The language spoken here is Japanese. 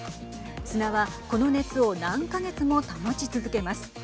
砂はこの熱を何か月も保ち続けます。